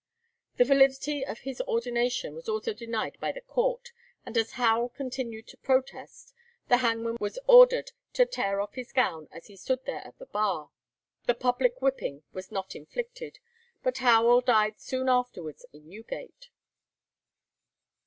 The validity of his ordination was also denied by the court, and as Howell continued to protest, the hangman was ordered to tear off his gown as he stood there at the bar. The public whipping was not inflicted, but Howell died soon afterwards in Newgate.